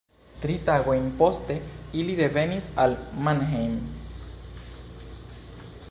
Tri tagojn poste ili revenis al Mannheim.